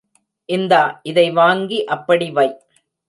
இந்தா இதை வாங்கி அப்படிவை.